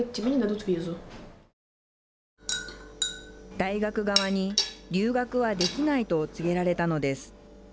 大学側に留学はできないと告げられたのです。